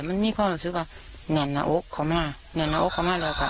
มันมีความรู้สึกว่าแหน่นออกเข้ามาแหน่นออกเข้ามาแล้วกัน